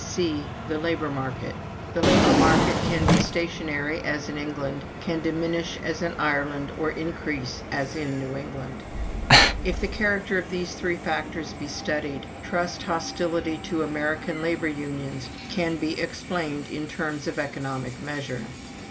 "(c) The labor market. The labor market can be stationary as in England, can diminish as in Ireland, or increase as in New England. "If the character of these three factors be studied, trust hostility to American labor unions can be explained in terms of economic measure.